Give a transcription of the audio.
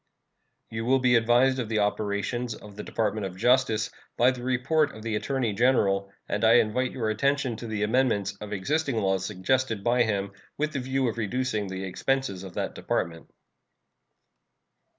You will be advised of the operations of the Department of Justice by the report of the Attorney General, and I invite your attention to the amendments of existing laws suggested by him, with the view of reducing the expenses of that Department.